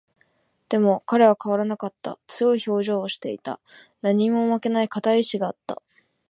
でも、彼は変わらなかった。強い表情をしていた。何にも負けない固い意志があった。